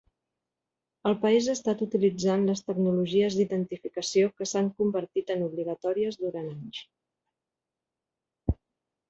El país ha estat utilitzant les tecnologies d'identificació que s'han convertit en obligatòries durant anys.